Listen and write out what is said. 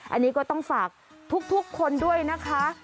อันนี้ก็ต้องฝากทุกคนด้วยนะคะ